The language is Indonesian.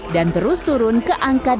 dan terus turun ke angka delapan belas delapan